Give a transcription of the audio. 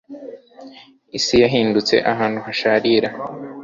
isi yahindutse ahantu hasharira